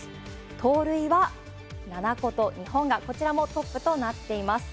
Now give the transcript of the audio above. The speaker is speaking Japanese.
盗塁は７個と、日本がこちらもトップとなっています。